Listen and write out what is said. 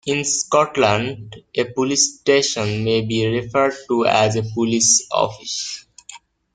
In Scotland a Police Station may be referred to as a Police Office.